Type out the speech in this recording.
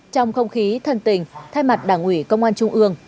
trong không khí thân tình